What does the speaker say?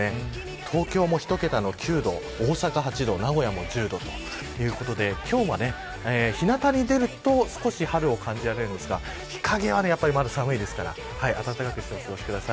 東京も１桁の９度大阪８度、名古屋も１０度ということで今日は、日なたに出ると少し春を感じられますが日陰は、まだ寒いですから暖かくしてお過ごしください。